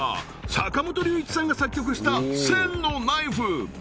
坂本龍一さんが作曲した「千のナイフ」